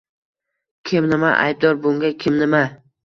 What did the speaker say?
Kim, nima aybdor bunga? Kim? Nima?